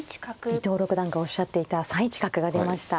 伊藤六段がおっしゃっていた３一角が出ました。